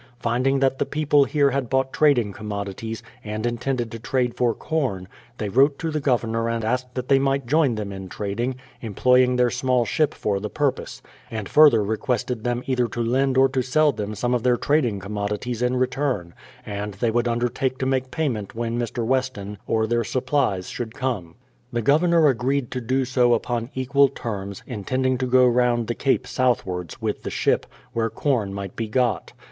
Finding that the people here had bought trading commodities, and intended to trade for corn, they wrote to the Governor and asked that they might join them in trading, employing their small ship for the purpose ; and further requested them either to lend or to sell them some of their trading commodities in return, and they would undertake to make payment when Mr. Weston or their sup plies should come. The Governor agreed to do so upon equal terms, intending to go round the cape southwards, \ w:th the ship, where corn might be got.